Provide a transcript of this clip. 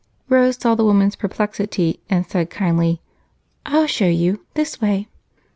Rose saw the woman's perplexity and said kindly, "I'll show you this way."